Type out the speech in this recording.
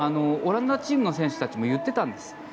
オランダチームの選手たちも言っていたんです。